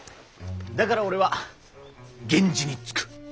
だから俺は源氏につく。